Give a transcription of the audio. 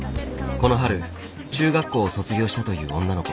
この春中学校を卒業したという女の子。